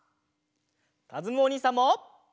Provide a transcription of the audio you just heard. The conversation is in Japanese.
かずむおにいさんも！